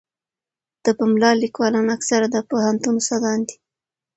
د پملا لیکوالان اکثره د پوهنتون استادان دي.